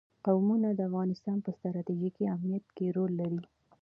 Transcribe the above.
قومونه د افغانستان په ستراتیژیک اهمیت کې رول لري.